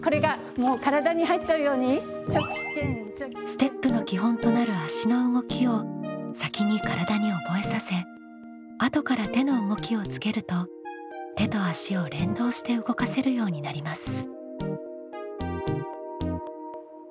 ステップの基本となる足の動きを先に体に覚えさせあとから手の動きをつけると手と足を連動して動かせるようになります。